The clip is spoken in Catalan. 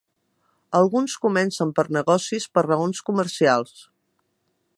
Alguns comencen per negocis, per raons comercials.